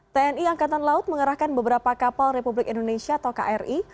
tni angkatan laut mengerahkan beberapa kapal republik indonesia atau kri